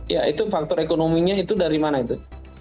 ya itu faktor ekonominya itu dari mana itu